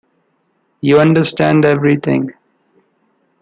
You understand everything.